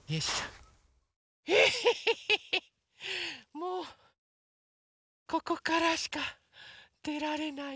もうここからしかでられない。